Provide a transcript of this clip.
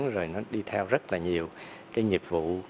rồi nó đi theo rất là nhiều cái nghiệp vụ